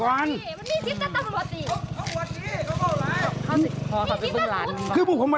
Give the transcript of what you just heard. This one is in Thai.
มันเป็นไง